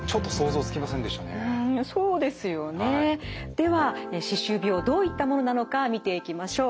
では歯周病どういったものなのか見ていきましょう。